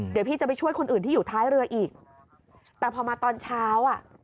เดี๋ยวพี่จะไปช่วยคนอื่นที่อยู่ท้ายเรืออีกแต่พอมาตอนเช้าอ่ะ